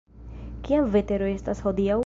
Kia vetero estas hodiaŭ?